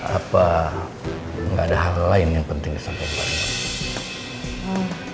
apa gak ada hal lain yang penting di samping pak raymond